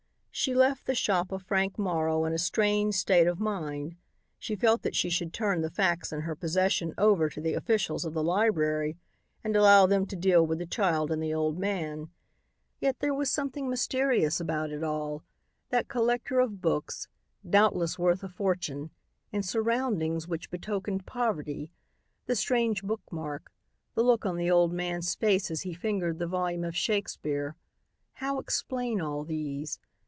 She left the shop of Frank Morrow in a strange state of mind. She felt that she should turn the facts in her possession over to the officials of the library and allow them to deal with the child and the old man. Yet there was something mysterious about it all. That collector of books, doubtless worth a fortune, in surroundings which betokened poverty, the strange book mark, the look on the old man's face as he fingered the volume of Shakespeare, how explain all these?